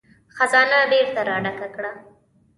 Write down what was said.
خزانه بېرته را ډکه کړه.